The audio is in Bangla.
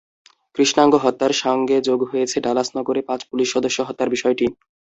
কৃষ্ণাঙ্গ হত্যার সঙ্গে যোগ হয়েছে ডালাস নগরে পাঁচ পুলিশ সদস্য হত্যার বিষয়টি।